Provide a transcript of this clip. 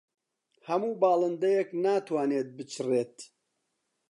هەموو باڵندەیەک ناتوانێت بچڕێت.